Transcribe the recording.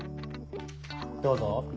どうぞ。